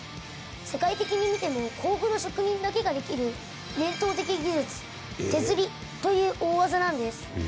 世界的に見ても甲府の職人だけができる伝統的技術手磨りという大技なんです。